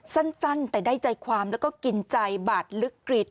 สั้นแต่ได้ใจความแล้วก็กินใจบาดลึกกริด